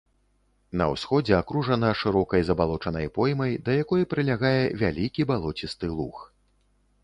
На ўсходзе акружана шырокай забалочанай поймай, да якой прылягае вялікі балоцісты луг.